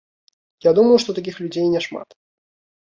Я думаю, што такіх людзей няшмат.